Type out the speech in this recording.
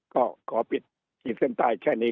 ก็ขอปิดขีดเส้นใต้แค่นี้